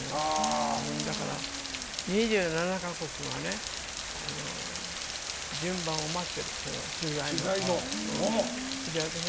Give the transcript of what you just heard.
だから２７か国が取材の順番を待ってる人が。